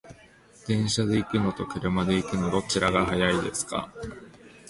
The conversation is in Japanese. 電車で行くのと車で行くの、どちらが早いですか？